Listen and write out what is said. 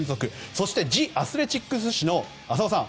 そして「ジ・アスレチック」誌で浅尾さん